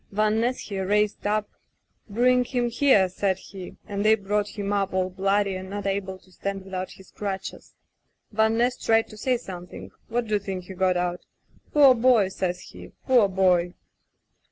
Van Ness he raised up — "'Bring him here,' said he, and they brought him up all bloody and not able to stand without his crutches. Van Ness tried to say something — ^what do you think he got out? — *Poor boy!' says he, *poor boy!